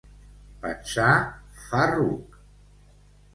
Pensar fa ruc.